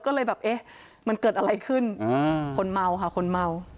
ก็เลยแบบเอ๊ะมันเกิดอะไรขึ้นคนเมาค่ะคนเมา